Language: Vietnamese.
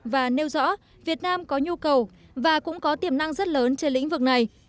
và nêu rõ việt nam có nhu cầu và cũng có tiềm năng rất lớn trên lĩnh vực này